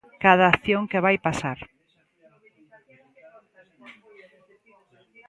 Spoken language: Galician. Cada acción que vai pasar...